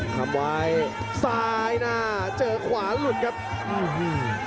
ทำไว้ซ้ายหน้าเจอขวาหลุดครับอื้อหือ